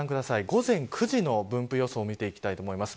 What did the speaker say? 午前９時の分布予想を見ていきます。